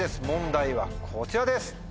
問題はこちらです。